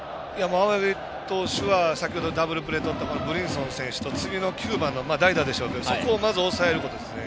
青柳投手は先ほどダブルプレーとったブリンソン選手と次の９番の代打をまずは抑えることですね。